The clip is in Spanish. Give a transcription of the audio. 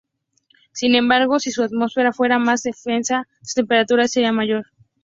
Sin embargo, si su atmósfera fuera más densa, su temperatura sería mayor.